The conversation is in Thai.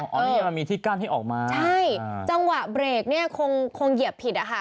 นี่ยังมันมีทิศกั้นที่ออกมาใช่จังหวะเบรกเนี่ยคงเหยียบผิดอะค่ะ